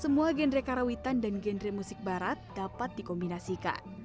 semua genre karawitan dan genre musik barat dapat dikombinasikan